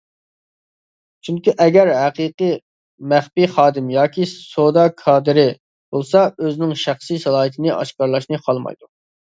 چۈنكى ئەگەر ھەقىقىي «مەخپىي خادىم» ياكى «سودا كادىرى» بولسا، ئۆزىنىڭ شەخسىي سالاھىيىتىنى ئاشكارىلاشنى خالىمايدۇ.